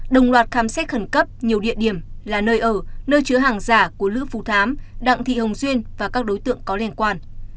đồng loạt khám xét khẩn cấp nhiều địa điểm là nơi ở nơi chứa hàng giả của lữ phú thám đặng thị hồng duyên và các đối tượng có liên quan